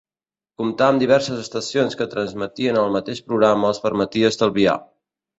Comptar amb diverses estacions que transmetien el mateix programa els permetia estalviar.